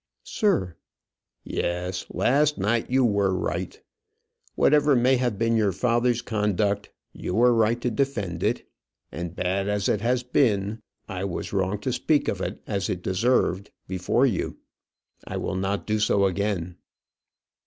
"Sir!" "Yes, last night you were right. Whatever may have been your father's conduct, you were right to defend it; and, bad as it has been, I was wrong to speak of it as it deserved before you. I will not do so again."